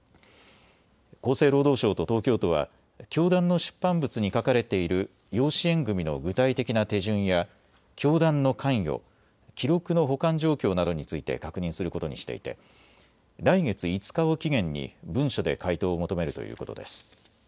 厚生労働省と東京都は教団の出版物に書かれている養子縁組みの具体的な手順や教団の関与、記録の保管状況などについて確認することにしていて来月５日を期限に文書で回答を求めるということです。